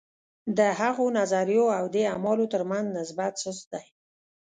د هغو نظریو او دې اعمالو ترمنځ نسبت سست دی.